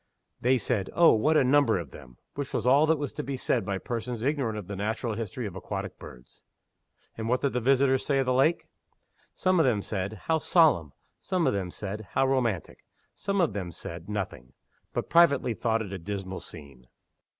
They said, "Oh, what a number of them!" which was all that was to be said by persons ignorant of the natural history of aquatic birds. And what did the visitors say of the lake? Some of them said, "How solemn!" Some of them said, "How romantic!" Some of them said nothing but privately thought it a dismal scene.